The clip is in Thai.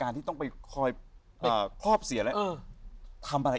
การที่ต้องไปคอยเอ่อครอบเสียอะไรเออทำอะไร